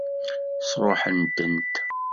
Sṛuḥent-tent?